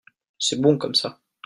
c'est bon comme ça.